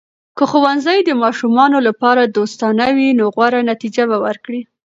که ښوونځي د ماشومانو لپاره دوستانه وي، نو غوره نتیجه به ورکړي.